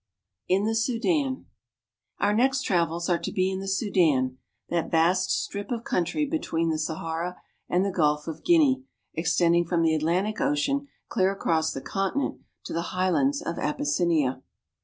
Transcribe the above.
IN THE SUDAN OUR next travels are to be in the Sudan, that vast strip of country between the Sahara and the Gulf of Guinea, extending from the Atlantic Ocean clear across the continent to the highlands of Abyssinia.